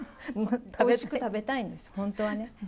おいしく食べたいんです、本当はね。